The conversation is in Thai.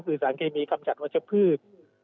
คือสารเคมีกำจัดวัชพืช